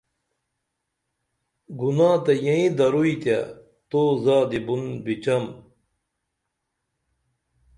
گناہ تہ ییں دروئی تے تو زادی بُن بِچم